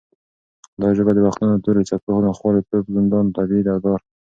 دا ژبه د وختونو تورو څپو، ناخوالو، توپ، زندان، تبعید او دار